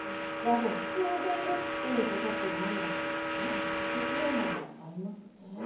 普通でいるっていうことは何だろうとかそういうテーマがありますね。